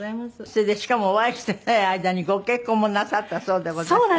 それでしかもお会いしてない間にご結婚もなさったそうでございます。